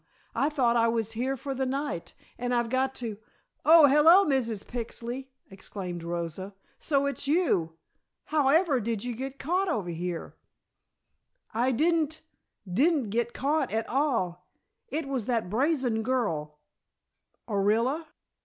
I thought I was here for the night and I've got to " "Oh, hello, Mrs. Pixley!" exclaimed Rosa. "So it's you! However did you get caught over here?" "I didn't didn't get caught at all. It was that brazen girl " "Orilla?"